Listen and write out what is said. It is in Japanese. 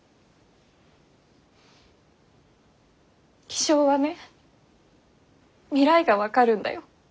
気象はね未来が分かるんだよ。